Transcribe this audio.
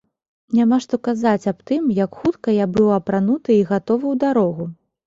Няма што казаць аб тым, як хутка я быў апрануты і гатовы ў дарогу.